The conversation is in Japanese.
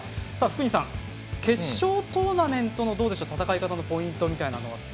福西さん決勝トーナメントの戦い方のポイントみたいなものは？